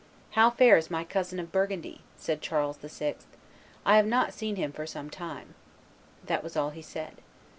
"How fares my cousin of Burgundy?" said Charles VI.; "I have not seen him for some time." That was all he said.